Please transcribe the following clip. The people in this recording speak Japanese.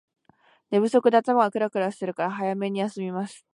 寝不足で頭がクラクラするから早めに休みます